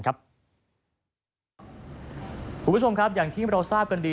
คุณผู้ชมครับอย่างที่เราทราบกันดี